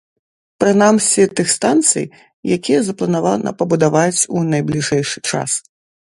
Прынамсі тых станцый, якія запланавана пабудаваць у найбліжэйшы час.